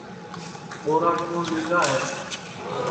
ٻوارا کُوٹؔ لی گا ہے